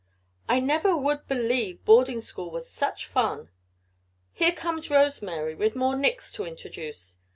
"I never would believe boarding school was such fun. Here comes Rose Mary with more Nicks to introduce.